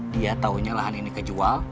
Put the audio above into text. dia tahunya lahan ini kejual